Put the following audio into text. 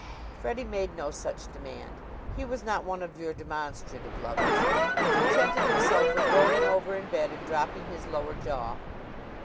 Freddie made no such demand. He was not one of your demonstrative lovers. He contented himself with rolling over in bed and dropping his lower jaw.